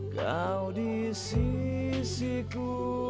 kau di sisiku